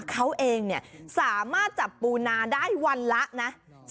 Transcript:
เขาเองสามารถจับปูนาได้วันละนะ